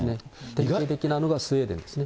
典型的なのがスウェーデンですね。